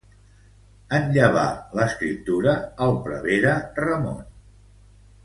En llevà l'escriptura el prevere Ramon.